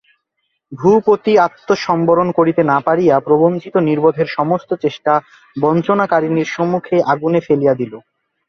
ভূপতিআত্মসম্বরণ করিতে না পারিয়া প্রবঞ্চিত নির্বোধের সমস্ত চেষ্টা বঞ্চনাকারিণীর সম্মুখেই আগুনে ফেলিয়া দিল।